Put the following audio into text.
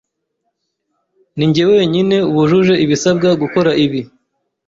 Ninjye wenyine wujuje ibisabwa gukora ibi.